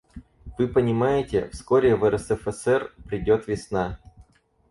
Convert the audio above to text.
Вы понимаете, вскоре в РСФСР придет весна.